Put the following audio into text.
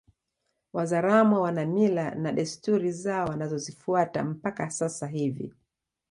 Wazaramo wana mila na desturi zao wanazozifuata mpaka sasa hivi